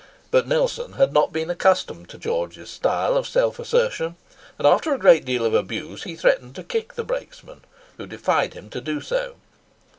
But Nelson had not been accustomed to George's style of self assertion; and, after a great deal of abuse, he threatened to kick the brakesman, who defied him to do so.